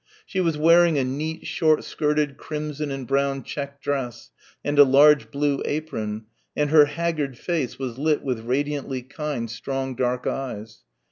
She was wearing a neat short skirted crimson and brown check dress and a large blue apron and her haggard face was lit with radiantly kind strong dark eyes.